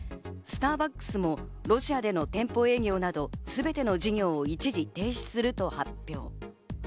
スターバックスもロシアでの店舗営業など、すべての事業を一時停止すると発表。